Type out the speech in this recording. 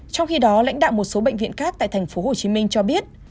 trong khi đó lãnh đạo một số bệnh viện khác tại tp hcm cho biết